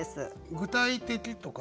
「具体的」とか？